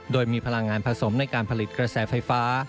โดยมีพลังงานผสมในการผลิตกระแสไฟฟ้า